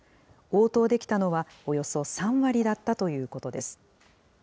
応答できたのは、およそ３割だったということです。